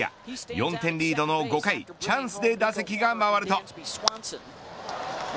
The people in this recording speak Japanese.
４点リードの５回チャンスで打席が回ると。